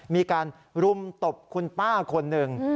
มีการรุมตบคุณป้าคนหนึ่ง